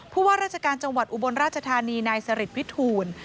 ว่าราชการจังหวัดอุบลราชธานีนายสริตวิทูล